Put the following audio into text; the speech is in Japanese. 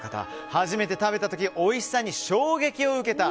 初めて食べた時おいしさに衝撃を受けた。